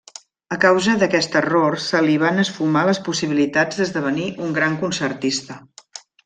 A causa d'aquest error se li van esfumar les possibilitats d'esdevenir un gran concertista.